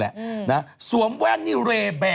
จากธนาคารกรุงเทพฯ